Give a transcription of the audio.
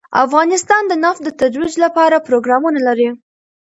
افغانستان د نفت د ترویج لپاره پروګرامونه لري.